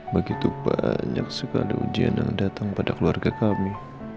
begitu banyak sekali ujian yang datang pada keluarga kami